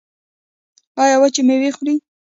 ایا وچې میوې خورئ؟